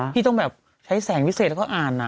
พี่ต้องแบบใช้แสงวิเศษแล้วก็อ่าน